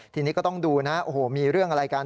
ทีนี้ก็ต้องดูนะโอ้โหมีเรื่องอะไรกัน